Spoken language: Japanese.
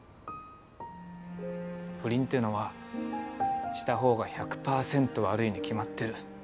不倫っていうのはしたほうが１００パーセント悪いに決まってる。